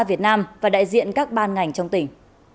việt nam và đại diện các ban ngành trong tỉnh